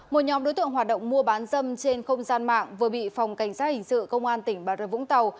một nhóm đối tượng hoạt động mua bán dâm trên không gian mạng vừa bị phòng cảnh sát hình sự công an tỉnh bà rập vũng tàu